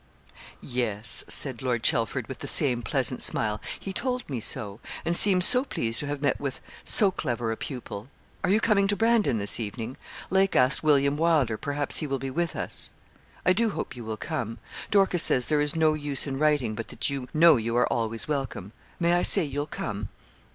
'Yes,' said Lord Chelford, with the same pleasant smile, 'he told me so; and seems so pleased to have met with so clever a pupil. Are you coming to Brandon this evening? Lake asked William Wylder, perhaps he will be with us. I do hope you will come. Dorcas says there is no use in writing; but that you know you are always welcome. May I say you'll come?'